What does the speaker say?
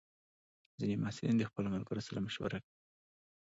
ځینې محصلین د خپلو ملګرو سره مشوره کوي.